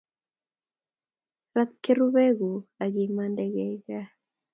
Rat kurubekuk akimang'de eng' kai